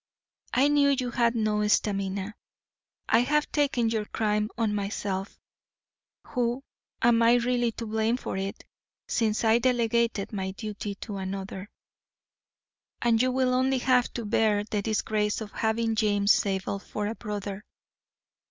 I knew you had no stamina. I have taken your crime on myself, who am really to blame for it, since I delegated my duty to another, and you will only have to bear the disgrace of having James Zabel for a brother.